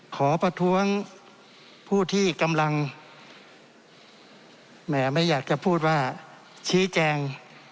ขอประท้วงผู้ที่กำลังแหมไม่อยากจะพูดว่าชี้แจง